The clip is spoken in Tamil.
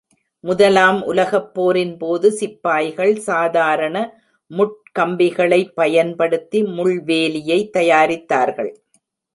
முதலாம் உலகப் போரின்போது, சிப்பாய்கள் சாதாரண முட்கம்பிகளை பயன்படுத்தி முள்வேலியை தயாரித்தார்கள்.